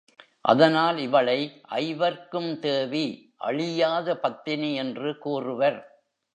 அதனால் இவளை ஐவர்க்கும் தேவி அழியாத பத்தினி என்று கூறுவர்.